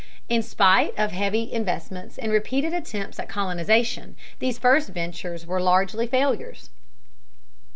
In spite of heavy investments and repeated attempts at colonization, these first ventures were largely failures.